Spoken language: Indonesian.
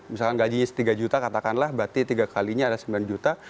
misalkan gajinya tiga juta katakanlah berarti tiga kalinya ada sembilan juta